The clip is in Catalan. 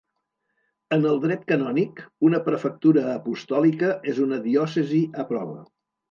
En el dret canònic una prefectura apostòlica és una diòcesi a prova.